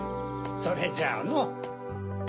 それじゃあの。